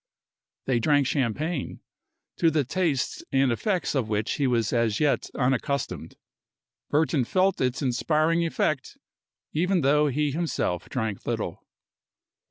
They drank champagne, to the taste and effects of which he was as yet unaccustomed. Burton felt its inspiring effect even though he himself drank little.